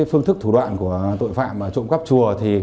phương thức thủ đoạn của tội phạm trộm cắp chùa